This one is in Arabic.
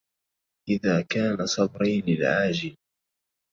إذا كان صبري للعاجل